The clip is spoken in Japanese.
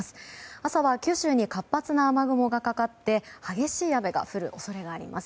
朝は九州に活発な雨雲がかかって激しい雨が降る恐れがあります。